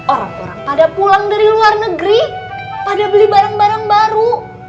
orang orang pada pulang dari luar negeri pada beli barang barang baru